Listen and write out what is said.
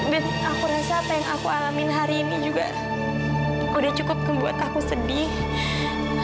dan aku rasa apa yang aku alamin hari ini juga udah cukup ngebuat aku sedih